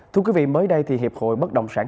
thưa quý vị mới đây thì hiệp hội bất động sản